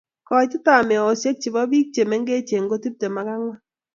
Koitetab meosiek chebo. Bik che mengech ko tiptem ak angwan